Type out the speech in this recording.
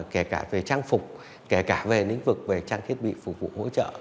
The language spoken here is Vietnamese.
kể cả về trang phục kể cả về lĩnh vực về trang thiết bị phục vụ hỗ trợ